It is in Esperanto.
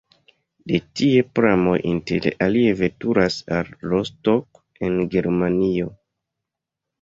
De tie pramoj inter alie veturas al Rostock en Germanio.